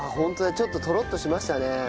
ちょっとトロッとしましたね。